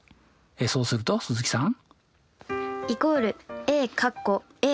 そうすると鈴木さん？